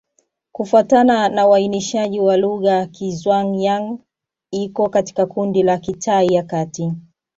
Kufuatana na uainishaji wa lugha, Kizhuang-Yang iko katika kundi la Kitai ya Kati.